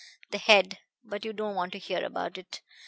The head ... but you don't want to hear about it.